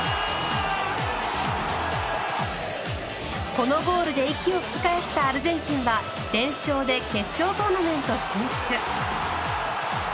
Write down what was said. このゴールで息を吹き返したアルゼンチンは連勝で決勝トーナメント進出。